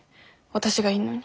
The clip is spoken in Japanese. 私がいんのに。